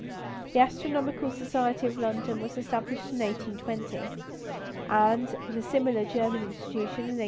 The Astronomical Society of London was established in 1820, and the similar German institution in 1863.